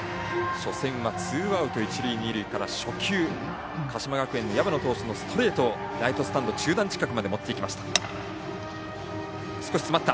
初戦はツーアウト一塁二塁から初球、ストレートをライトスタンド中段まで持っていきました。